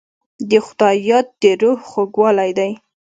د خدای یاد د روح خوږوالی دی.